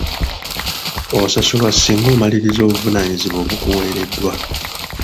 Osasulwa singa omaliriza obuvunaanyizibwa obukuwereddwa.